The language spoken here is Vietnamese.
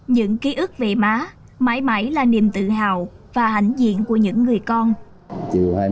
những ký ức về má mãi mãi là niềm tự hào và hạnh diện của những người con